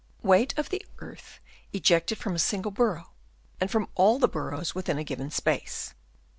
Weight of the earth ejected from a single burrow, and from all the burrows within a given space.